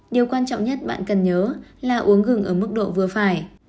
điều quan trọng nhất bạn cần nhớ là uống gừng ở mức độ vừa phải